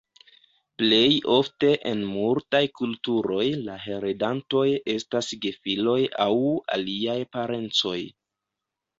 Plej ofte en multaj kulturoj la heredantoj estas gefiloj aŭ aliaj parencoj.